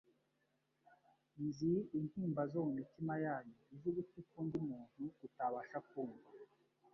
Nzi intimba zo mu mitima yanyu izo ugutwi k'undi muntu kutabasha kumva.